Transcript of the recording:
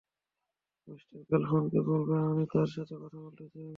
Mister ফ্যালকোনকে বলবে, আমি তার সাথে কথা বলতে চাই?